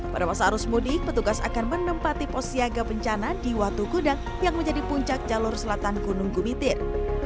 pada masa arus mudik petugas akan menempati pos siaga bencana di watu kuda yang menjadi puncak jalur selatan gunung gumitir